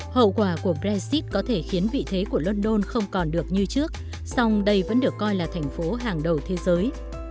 hậu quả của brexit có thể khiến vị thế của london không còn được như trước song đây vẫn được coi là thành phố hàng đầu thế giới